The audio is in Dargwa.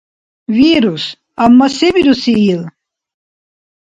Вирус, амма се бируси ил?